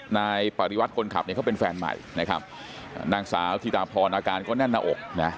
นายปริวัติคนขับเนี่ยเขาเป็นแฟนใหม่นะครับนางสาวธิดาพรอาการก็แน่นหน้าอกนะ